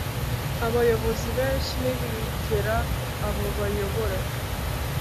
Abayobozi benshi ntibegera abo bayobora